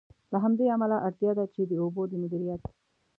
له همدې امله، اړتیا ده چې د اوبو د مدیریت.